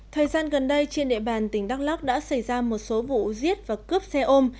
thời gian gần đây trên địa bàn tỉnh đắk lắc đã xảy ra một số vụ giết và cướp xe ôm